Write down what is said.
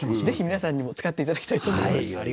ぜひ皆さんにも使って頂きたいと思います。